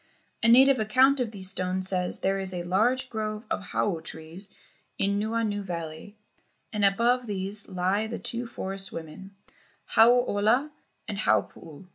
A native account of these stones says: "There is a large grove of hau trees in Nuuanu Valley, and above these lie the two forest women, Hau ola and Ha puu.